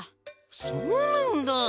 そうなんだ。